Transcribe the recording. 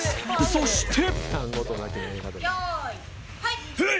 そして。